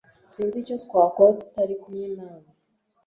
Sinzi icyo twakora tutari kumwe nawe.